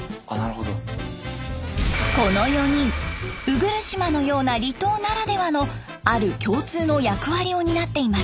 この４人鵜来島のような離島ならではのある共通の役割を担っています。